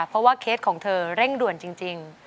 เพราะว่าเคสของเธอเร่งด่วนจริง